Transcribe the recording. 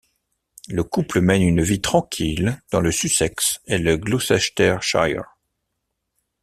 Le couple mène une vie tranquille dans le Sussex et le Gloucestershire.